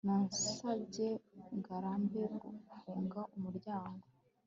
nasabye ngarambe gufunga umuryango